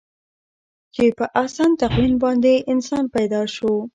چې په احسن تقویم باندې انسان پیدا شو.